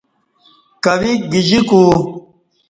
کویک گجیکو